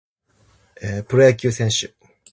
プロ野球選手